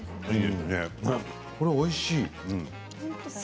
これおいしい。